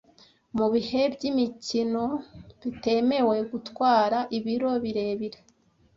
Mubihe by'imikino bitemewe gutwara ibiro birebire